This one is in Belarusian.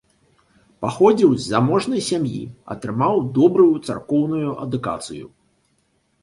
Паходзіў з заможнай сям'і, атрымаў добрую царкоўную адукацыю.